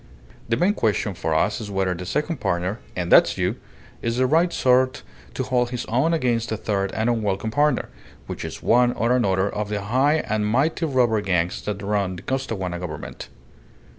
The main question for us is whether the second partner, and that's you, is the right sort to hold his own against the third and unwelcome partner, which is one or another of the high and mighty robber gangs that run the Costaguana Government.